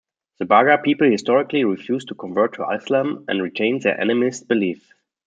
The Baga people historically refused to convert to Islam and retained their animist beliefs.